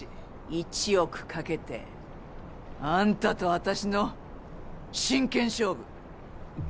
１億賭けてあんたと私の真剣勝負。